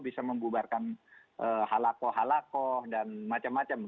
bisa membubarkan halako halakoh dan macam macam